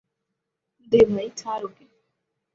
দে ভাই, ছাড় ওকে।